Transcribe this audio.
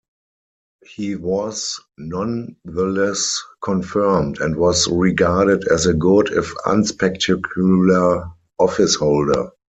He was nonetheless confirmed, and was regarded as a good if unspectacular office-holder.